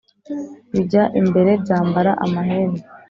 Bijya imbere byambara amahembe